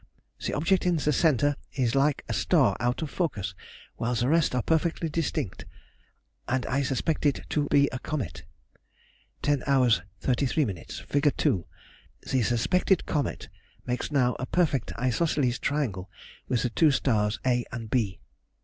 The object in the centre is like a star out of focus, while the rest are perfectly distinct, and I suspect it to be a comet. 10^h 33ʹ. Fig. 2. The suspected comet makes now a perfect isosceles triangle with the two stars a and b.